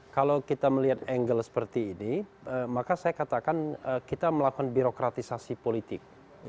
kalau kita melihat angle seperti ini maka saya katakan kita melakukan birokratisasi politik